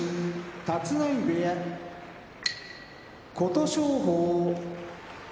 立浪部屋琴勝峰